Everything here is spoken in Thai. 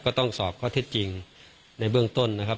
ก็ต้องสอบข้อเท็จจริงในเบื้องต้นนะครับ